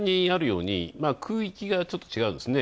空域がちょっと違うんですね。